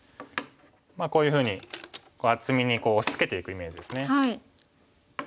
こういうふうに厚みに押しつけていくイメージですね。